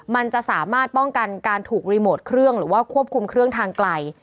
มันจะสามารถป้องกันการถูกรีโมทเครื่องหรือว่าควบคุมเครื่องทางไกล